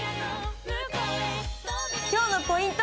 今日のポイント